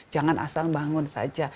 jangan asal bangun saja